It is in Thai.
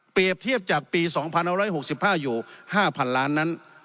เทียบจากปี๒๑๖๕อยู่๕๐๐๐ล้านนั้น